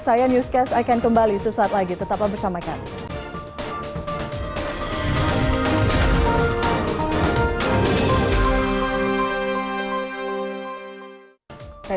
saya newscast ikan kembali sesaat lagi tetap bersama kami